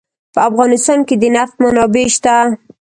په افغانستان کې د نفت منابع شته.